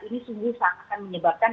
ini sungguh akan menyebabkan